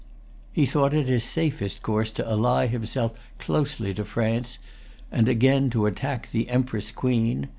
He thought it his safest course to ally himself closely to France, and again to attack the Empress Queen.